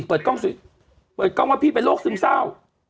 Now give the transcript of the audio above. เปิดกล้องว่าพี่เป็นโรคซึมเศร้า